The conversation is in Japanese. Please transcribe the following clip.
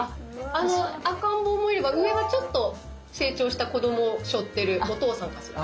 赤ん坊もいれば上はちょっと成長した子供をしょってるお父さんかしら。